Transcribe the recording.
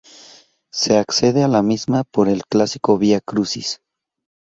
Se accede a la misma por el clásico Vía Crucis.